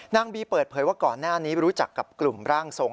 นางบีเปิดเผยว่าก่อนหน้านี้รู้จักกับกลุ่มร่างทรง